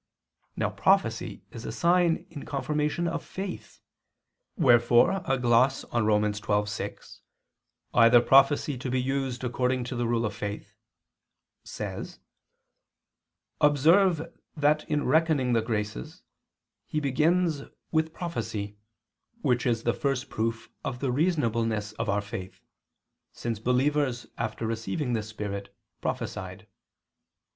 Now prophecy is a sign in confirmation of faith; wherefore a gloss on Rom. 12:6, "Either prophecy to be used according to the rule of faith," says: "Observe that in reckoning the graces, he begins with prophecy, which is the first proof of the reasonableness of our faith; since believers, after receiving the Spirit, prophesied."